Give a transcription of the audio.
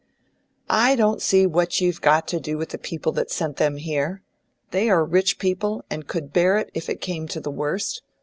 "I don't see what you've got to do with the people that sent them here. They are rich people, and could bear it if it came to the worst.